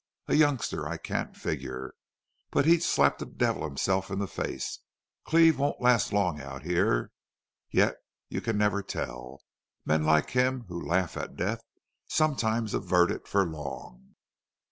A youngster I can't figure! But he'd slap the devil himself in the face. Cleve won't last long out here. Yet you can never tell. Men like him, who laugh at death, sometimes avert it for long.